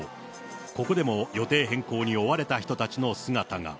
ここでも予定変更に追われた人たちの姿が。